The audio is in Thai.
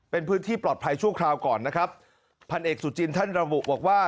เป็นพื้นที่ปลอดภัยชั่วคราวก่อนนะครับพันเอกสุจินท่านระบุบอกว่า